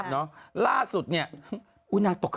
น้ำเมน